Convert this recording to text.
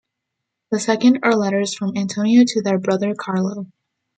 The second are letters from Antonio to their brother Carlo.